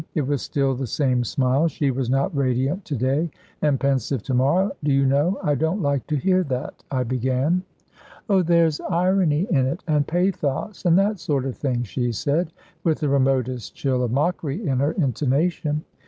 It was still the same smile; she was not radiant to day and pensive to morrow. "Do you know I don't like to hear that?" I began. "Oh, there's irony in it, and pathos, and that sort of thing," she said, with the remotest chill of mockery in her intonation.